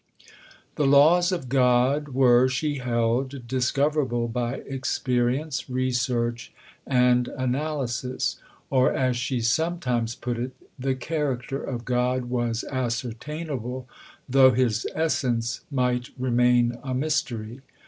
The laws of God were, she held, discoverable by experience, research, and analysis; or, as she sometimes put it, the character of God was ascertainable, though His essence might remain a mystery.